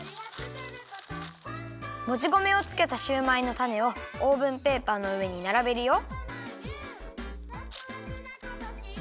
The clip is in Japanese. もち米をつけたシューマイのたねをオーブンペーパーのうえにならべるよ。